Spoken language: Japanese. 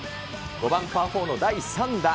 ５番パー４の第３打。